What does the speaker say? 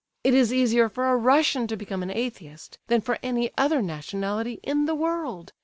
It is easier for a Russian to become an Atheist, than for any other nationality in the world.